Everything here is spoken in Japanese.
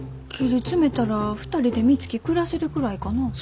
切り詰めたら２人でみつき暮らせるくらいかな。